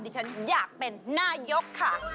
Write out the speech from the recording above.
ฉันอยากเป็นนายกค่ะ